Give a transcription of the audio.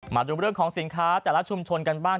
มาดูเรื่องของสินค้าแต่ละชุมชนกันบ้าง